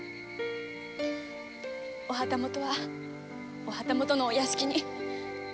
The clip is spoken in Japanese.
お旗本はお旗本のお屋敷に。